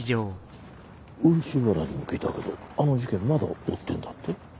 漆原にも聞いたけどあの事件まだ追ってんだって？